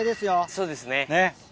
そうですね。